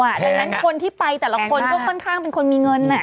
ดังนั้นคนที่ไปแต่ละคนก็ค่อนข้างเป็นคนมีเงิน